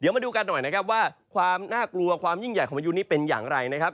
มาดูกันหน่อยนะครับว่าความน่ากลัวความยิ่งใหญ่ของพายุนี้เป็นอย่างไรนะครับ